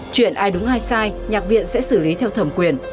chuyện ai đúng ai sai nhạc viện sẽ xử lý theo thẩm quyền